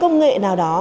có công nghệ nào đó